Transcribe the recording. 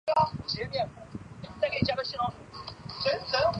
桐人与结依抽丝剥茧下发现白衣少女所指出的地方是东都工业大学。